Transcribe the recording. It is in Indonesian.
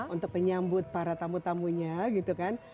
untuk menyambut para tamu tamunya gitu kan